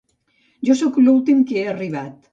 Jo soc l'últim que ha arribat.